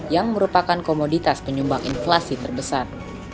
yang merupakan komoditas penyumbang inflasi terbesar